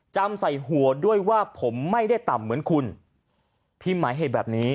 จำใส่หัวด้วยว่าผมไม่ได้ต่ำเหมือนคุณพิมพ์หมายเหตุแบบนี้